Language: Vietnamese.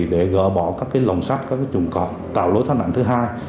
để gỡ bỏ các lồng sắt các chuồng cọp tạo lối thoát nạn thứ hai